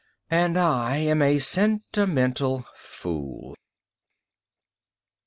_And I'm a sentimental fool.